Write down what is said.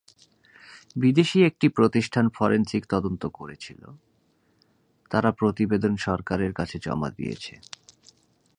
বিদেশি একটি প্রতিষ্ঠান ফরেনসিক তদন্ত করেছিল, তার প্রতিবেদন সরকারের কাছে জমা দিয়েছে।